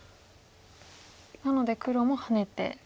なので黒もハネて。